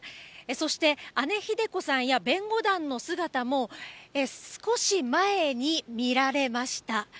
そして、姉、ひで子さんや弁護団の姿も少し前に見られました。